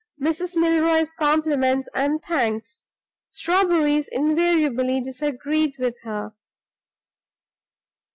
"Mrs. Milroy's compliments and thanks. Strawberries invariably disagreed with her."